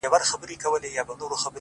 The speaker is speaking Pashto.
• له سره لمر او له ګرمۍ به کړېدله ,